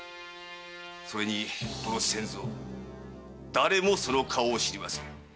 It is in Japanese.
それにこの千蔵誰もその顔を知りませぬ。